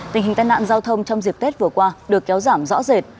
tình hình tai nạn giao thông trong dịp tết vừa qua được kéo giảm rõ rệt